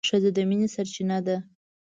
ښځه د مينې سرچينه ده